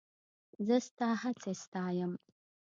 زه ستا هڅې ستایم.